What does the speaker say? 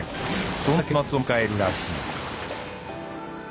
そんな結末を迎えるらしい。